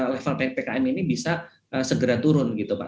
level ppkm ini bisa segera turun gitu pak